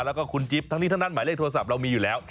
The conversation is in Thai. แล้วก็คุณจิ๊บทั้งนี้ทั้งนั้นหมายเลขโทรศัพท์เรามีอยู่แล้ว